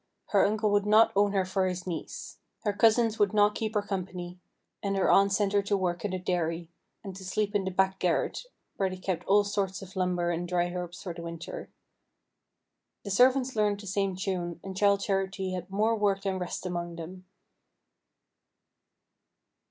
Her uncle would not own her for his niece; her cousins would not keep her company; and her aunt sent her to work in the dairy, and to sleep in the back garret, where they kept all sorts of lumber and dry herbs for the winter. The servants learned the same tune, and Childe Charity had more work than rest among them.